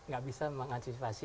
gak bisa mengansifasi